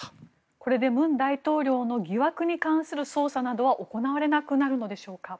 これで文大統領の疑惑に関する捜査などは行われなくなるのでしょうか？